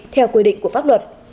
theo quy định của pháp luật